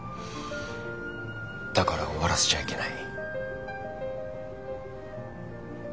だから終わらせちゃいけない。